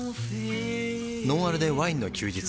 「ノンアルでワインの休日」